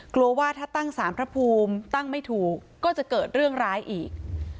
กลัวว่าถ้าตั้งสารพระภูมิตั้งไม่ถูกก็จะเกิดเรื่องร้ายอีก